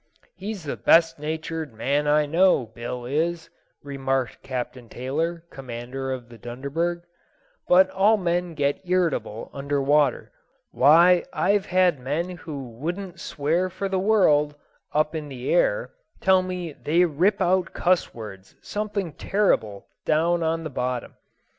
"He's the best natured man I know, Bill is," remarked Captain Taylor, commander of the Dunderberg; "but all men get irritable under water. Why, I've had men who wouldn't swear for the world up in the air tell me they rip out cuss words something terrible down on the bottom.